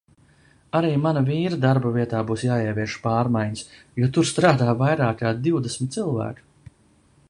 Arī mana vīra darbavietā būs jāievieš pārmaiņas, jo tur strādā vairāk kā divdesmit cilvēku.